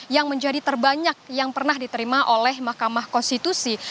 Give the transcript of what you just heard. yang menjadi terbanyak yang pernah diterima oleh mahkamah konstitusi